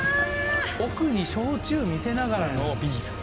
奥に焼酎見せながらのビール！